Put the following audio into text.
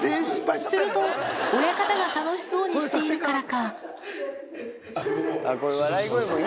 すると、親方が楽しそうにしているからか。